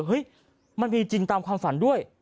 เฮ้ยมันมีจริงตามความฝันด้วย